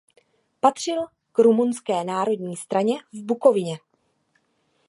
Patřil k Rumunské národní straně v Bukovině.